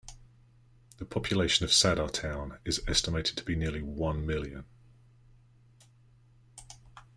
The population of Saddar Town is estimated to be nearly one million.